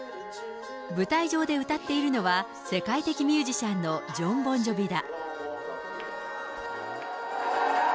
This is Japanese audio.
舞台上で歌っているのは、世界的ミュージシャンのジョン・ボン・ジョヴィだ。